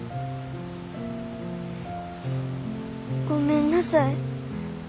ごめんなさい。